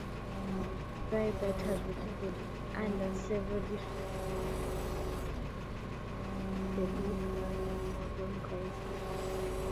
Vibert has recorded under several different aliases, most notably Plug and Wagon Christ.